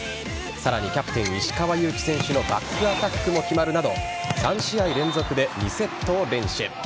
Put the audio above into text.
さらにキャプテン・石川祐希選手のバックアタックも決まるなど３試合連続で２セットを連取。